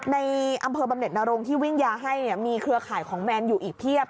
ในอำเภอบำเน็ตนรงที่วิ่งยาให้มีเครือข่ายของแมนอยู่อีกเพียบ